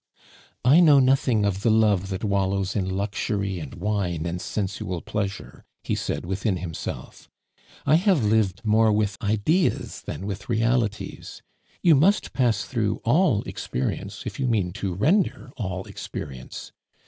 "I know nothing of the love that wallows in luxury and wine and sensual pleasure," he said within himself. "I have lived more with ideas than with realities. You must pass through all experience if you mean to render all experience.